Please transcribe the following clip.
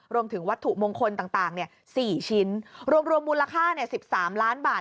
รวมถึงวัตถุมงคลต่าง๔ชิ้นรวมมูลค่า๑๓ล้านบาท